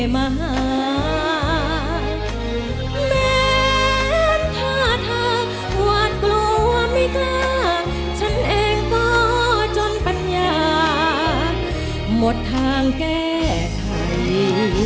เหมือนถ้าเธอหวาดกลัวไม่กล้าฉันเองก็จนปัญญาหมดทางแก้ไข